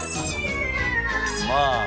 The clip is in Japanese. まあ。